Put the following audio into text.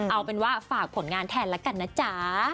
เอาเป็นว่าฝากผลงานแทนละกันนะจ๊ะ